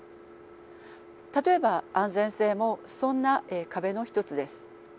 例えば安全性もそんな壁の一つです。